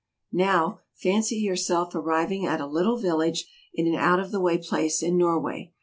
" Now, fancy yourself arriving at a little village in an out of the way place in Norway.